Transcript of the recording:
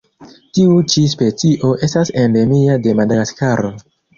Tiu ĉi specio estas endemia de Madagaskaro.